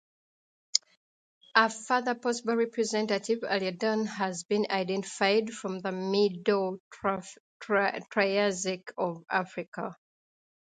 A further possible representative, "Aleodon", has been identified from the Middle Triassic of Africa.